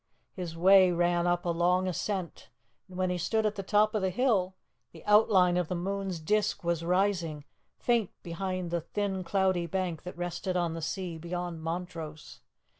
His way ran up a long ascent, and when he stood at the top of the hill the outline of the moon's disc was rising, faint behind the thin cloudy bank that rested on the sea beyond Montrose.